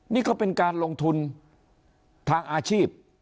นี่ก็เป็นการลงทุนทางอาชีพ